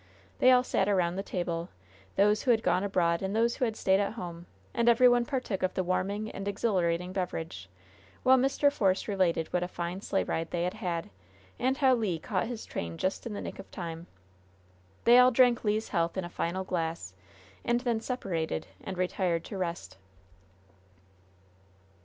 They all sat around the table those who had gone abroad and those who had stayed at home and every one partook of the warming and exhilarating beverage, while Mr. Force related what a fine sleigh ride they had had, and how Le caught his train just in the nick of time. They all drank Le's health in a final glass, and then separated, and retired to rest.